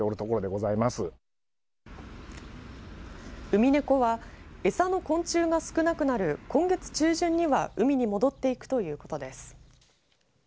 ウミネコはエサの昆虫が少なくなる今月中旬には海に戻っていくということです。